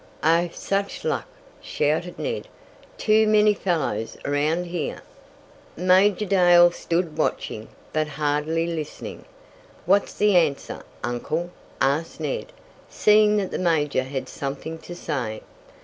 "Oh, such luck!" shouted Ned. "Too many fellows around here " Major Dale stood watching, but hardly listening. "What's the answer, Uncle?" asked Ned, seeing that the major had something to say.